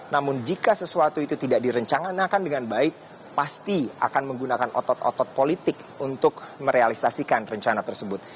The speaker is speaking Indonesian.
namun jika sesuatu itu tidak direncanakan dengan baik pasti akan menggunakan otot otot politik untuk merealisasikan rencana tersebut